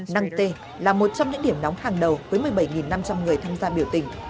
năng t là một trong những điểm nóng hàng đầu với một mươi bảy năm trăm linh người tham gia biểu tình